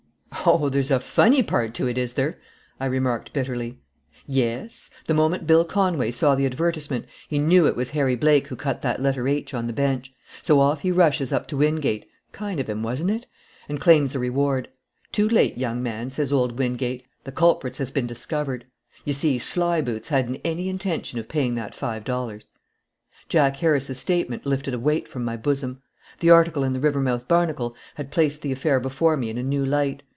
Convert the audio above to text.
"O, there's a funny part to it, is there?" I remarked bitterly. "Yes. The moment Bill Conway saw the advertisement, he knew it was Harry Blake who cut that letter H on the bench; so off he rushes up to Wingate kind of him, wasn't it? and claims the reward. 'Too late, young man,' says old Wingate, 'the culprits has been discovered.' You see Sly boots hadn't any intention of paying that five dollars." Jack Harris's statement lifted a weight from my bosom. The article in the Rivermouth Barnacle had placed the affair before me in a new light.